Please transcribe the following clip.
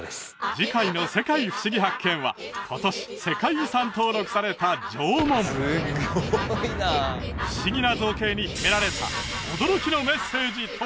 次回の「世界ふしぎ発見！」は今年世界遺産登録された縄文すごいな不思議な造形に秘められた驚きのメッセージとは！？